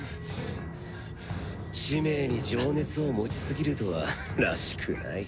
使命に情熱を持ちすぎるとはらしくない。